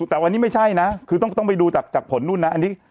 แต่ว่านี่ไม่ใช่น่ะคือต้องต้องไปดูจากจากผลนู่นน่ะอันนี้